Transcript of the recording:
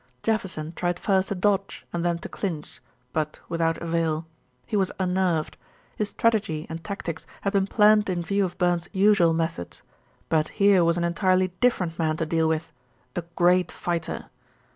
Jefferson tried first to dodge and then to clinch; but without avail. He was unnerved. His strategy and tactics had been planned in view of Burns's usual methods; but here was an entirely different man to deal with a great fighter.